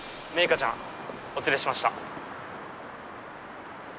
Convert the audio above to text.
花ちゃんお連れしました